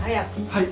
はい。